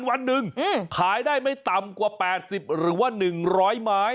วันหนึ่งขายได้ไม่ต่ำกว่า๘๐หรือว่า๑๐๐ไม้